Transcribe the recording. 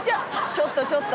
「ちょっとちょっと！